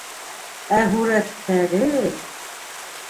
Ә һүрәттәре!